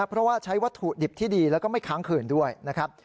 เพราะว่าใช้วัตถุดิบที่ดีแล้วก็ไม่ค้างคืนด้วยนะครับ